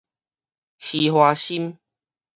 虛華心